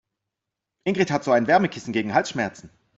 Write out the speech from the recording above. Ingrid hat so ein Wärmekissen gegen Halsschmerzen.